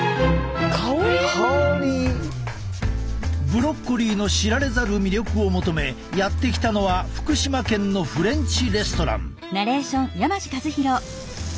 ブロッコリーの知られざる魅力を求めやって来たのは福島県のフレンチレストラン。